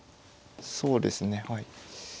そうですねはい。